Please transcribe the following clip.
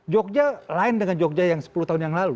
jogja lain dengan jogja yang sepuluh tahun yang lalu